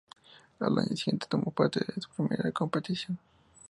Al año siguiente tomó parte de su primera competición.